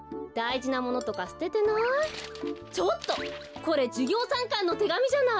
これじゅぎょうさんかんのてがみじゃない！